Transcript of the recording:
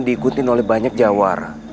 diikuti oleh banyak jawara